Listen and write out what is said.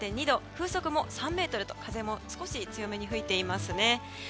風速も３メートルと風も少し強めに吹いていますね。